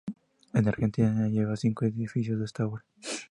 En Argentina lleva ya cinco ediciones de esta obra.